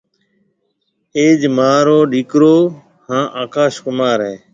اَئيج مهارو ڏيڪرو هانَ آڪاش ڪمار هيَ۔